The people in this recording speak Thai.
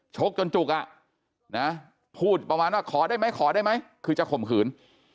จนจุกอ่ะนะพูดประมาณว่าขอได้ไหมขอได้ไหมคือจะข่มขืน